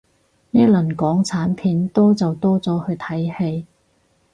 呢輪港產片多就多咗去睇戲